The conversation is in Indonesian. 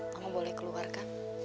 mama boleh keluarkan